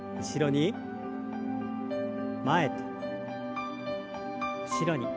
前と後ろに。